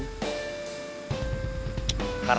sekarang urusan kita